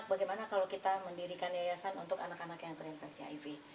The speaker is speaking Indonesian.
bagaimana kalau kita mendirikan yayasan untuk anak anak yang terinfeksi hiv